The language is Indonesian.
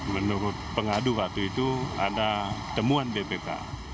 menurut pengadu waktu itu ada temuan bpk